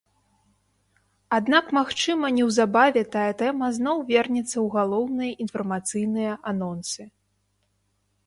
Аднак магчыма неўзабаве тая тэма зноў вернецца ў галоўныя інфармацыйныя анонсы.